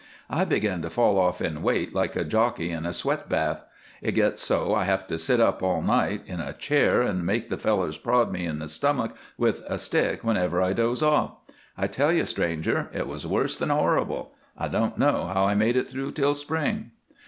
I begin to fall off in weight like a jockey in a sweat bath. It gets so I have to sit up all night in a chair and make the fellers prod me in the stomach with a stick whenever I doze off. I tell you, stranger, it was worse than horrible. I don't know how I made it through till spring.